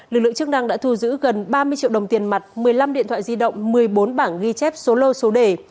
lực lượng chức năng đã thu giữ gần ba mươi triệu đồng tiền mặt một mươi năm điện thoại di động một mươi bốn bảng ghi chép số lô số đề